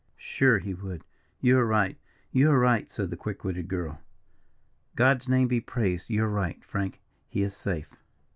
"Sure he would. You are right! you are right!" said the quick witted girl "God's name be praised; you are right, Frank; he is safe."